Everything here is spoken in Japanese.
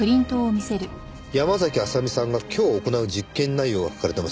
山嵜麻美さんが今日行う実験内容が書かれてます。